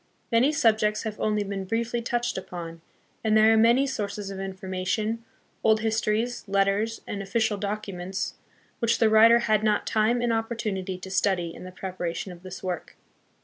Many subjects have only been briefly touched upon, and there are many sources of information, old histories, letters and official documents, which the writer had not time and opportunity to study hi the preparation of this work.